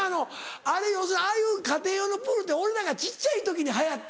あれ要するにああいう家庭用のプールって俺らが小っちゃい時に流行った。